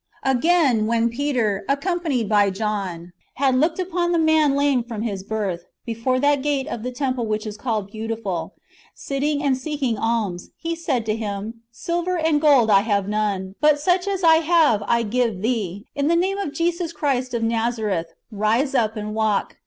Again, when Peter, accompanied by John, had looked upon the man lame from his birth, before that gate of the temple which is called Beautiful, sitting and seeking alms, he said to him, " Silver and gold have I none ; but such as I have give I thee : In the name of Jesus Christ of Nazareth, rise up and walk.